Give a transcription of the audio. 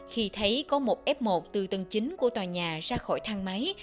khi thấy có một f một từ tầng chín của tòa nhà ra khỏi thang máy